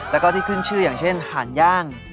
แล้วก็ที่ขึ้นชื่ออย่างเช่นหานย่าง